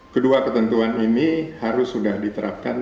kedua ketentuan ini harus sudah diterapkan